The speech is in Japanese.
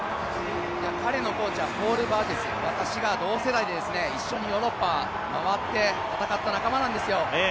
彼のコーチは私の同世代で一緒にヨーロッパ回って戦った仲間なんですよ。